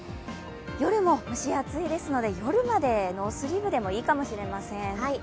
夜も蒸し暑いですので、夜までノースリーブでもいいかもしれません。